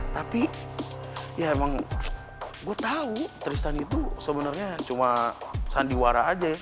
tapi ya emang gue tau tristan itu sebenarnya cuma sandiwara aja ya